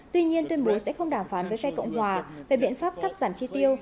tuy nhiên tuyên bố sẽ không đàm phán với phe cộng hòa về biện pháp cắt giảm chi tiêu